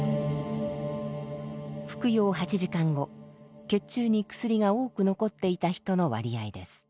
服用８時間後血中に薬が多く残っていた人の割合です。